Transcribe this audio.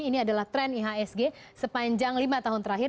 ini adalah tren ihsg sepanjang lima tahun terakhir